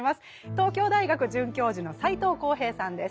東京大学准教授の斎藤幸平さんです。